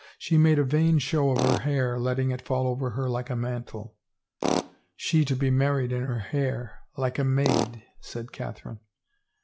She made a vain show of her hair letting it fall over her like a mantle —"" She to be married in her hair — like a maid I " said Catherine.